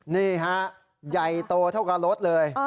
นี่ฮะใหญ่โตเท่ากับรถเลย